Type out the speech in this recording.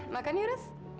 makan ya reski